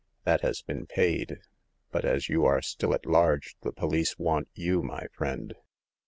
That has been paid, but as you are still at large, the police want you, my friend